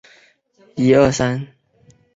在内罗毕完成高中及高中以前阶段的教育。